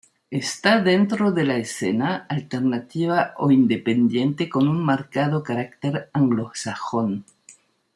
Está dentro de la escena alternativa o independiente con un marcado carácter anglosajón.